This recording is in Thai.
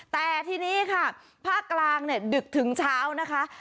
แต่ทีนี้ค่ะภาคกลางเนี่ยดึกถึงเช้านะคะ